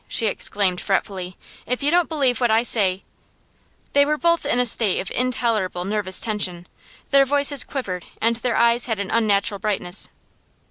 she exclaimed, fretfully. 'If you don't believe what I say ' They were both in a state of intolerable nervous tension. Their voices quivered, and their eyes had an unnatural brightness.